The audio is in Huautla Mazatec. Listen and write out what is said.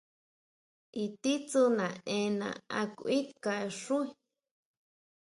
¿I titsú naʼenna a kuinʼka xuí.